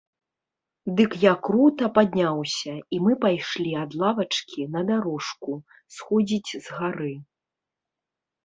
Дык я крута падняўся, і мы пайшлі ад лавачкі на дарожку, сходзіць з гары.